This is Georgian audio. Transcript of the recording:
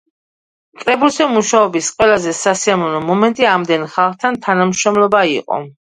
კრებულზე მუშაობის ყველაზე სასიამოვნო მომენტი ამდენ ხალხთან თანამშრომლობა იყო.